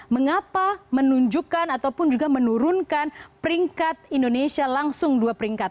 mengapa menunjukkan ataupun juga menurunkan peringkat indonesia langsung dua peringkat